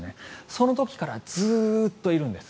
その時からずっといるんです。